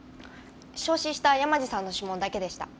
焼死した山路さんの指紋だけでした。